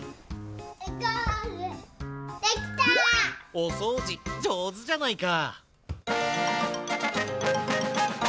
おそうじじょうずじゃないか。